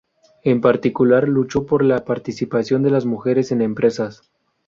En particular, luchó por la participación de las mujeres en empresas.